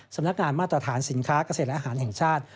สำนักงานมาตรฐานสินค้าเกษตรและอาหารแห่งชาติ